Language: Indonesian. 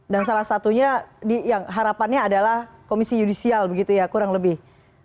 dan salah satunya harapannya adalah komisi yudisial kurang lebih